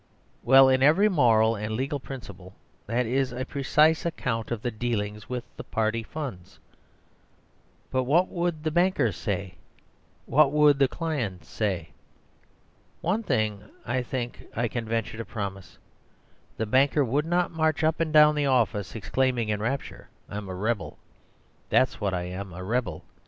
Well, in every moral and legal principle, that is a precise account of the dealings with the Party Funds. But what would the banker say? What would the clients say? One thing, I think, I can venture to promise; the banker would not march up and down the office exclaiming in rapture, "I'm a rebel! That's what I am, a rebel!"